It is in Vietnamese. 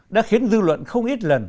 đã khiến dư luận không ít lần